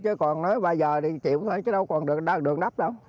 chứ còn nói ba giờ thì chịu thôi chứ đâu còn đường đắp đâu